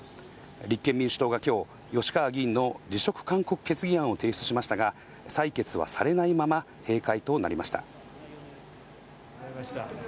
立憲民主党がきょう、吉川議員の辞職勧告決議案を提出しましたが、採決はされないまま、閉会となりました。